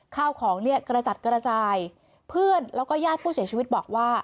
ข้าวของเนี่ยกระจัดกระจายเพื่อนแล้วก็ญาติผู้เสียชีวิตบอกว่า